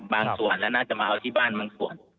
บางส่วนแล้วน่าจะมาเอาที่บ้านบางส่วน